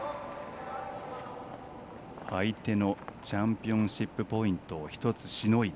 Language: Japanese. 相手のチャンピオンシップポイントを１つしのいで。